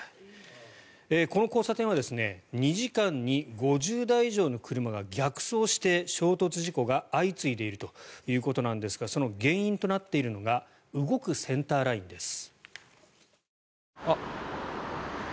この交差点は２時間に５０台以上の車が逆走して衝突事故が相次いでいるということなんですがその原因となっているのが動くセンターラインです。